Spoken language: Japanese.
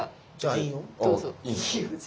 どうぞ。